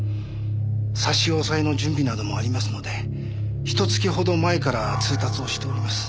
差し押さえの準備などもありますのでひと月ほど前から通達をしております。